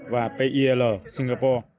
và pil singapore